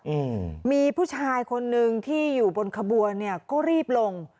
อืมมีผู้ชายคนนึงที่อยู่บนขบวนเนี้ยก็รีบลง